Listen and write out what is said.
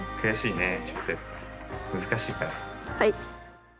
はい。